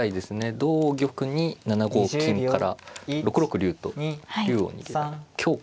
同玉に７五金から６六竜と竜を見て香か歩か。